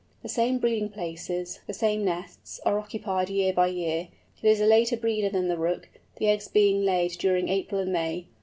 The same breeding places, the same nests, are occupied year by year. It is a later breeder than the Rook, the eggs being laid during April and May.